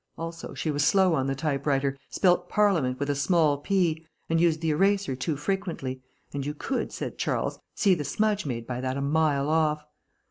Also, she was slow on the typewriter, spelt Parliament with a small p, and used the eraser too frequently, and you could, said Charles, see the smudge made by that a mile off.